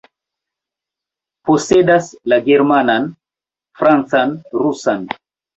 Posedas la germanan, francan, rusan.